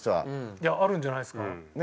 いやあるんじゃないですか？